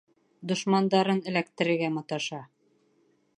Дошмандарын эләктерергә маташа.